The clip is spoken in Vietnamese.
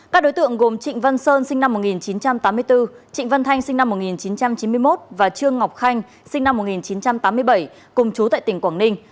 các đối tượng gồm trịnh văn sơn sinh năm một nghìn chín trăm tám mươi bốn trịnh văn thanh sinh năm một nghìn chín trăm chín mươi một và trương ngọc khanh sinh năm một nghìn chín trăm tám mươi bảy cùng chú tại tỉnh quảng ninh